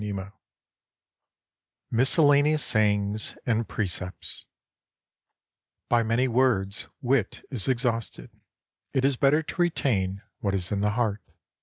46 MISCELLANEOUS SAYINGS AND PRECEPTS BY many words wit is exhausted ; it is better to retain what is in the heart.